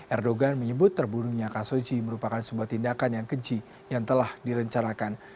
erdogan menyebut terbunuhnya kasoji merupakan sebuah tindakan yang keji yang telah direncanakan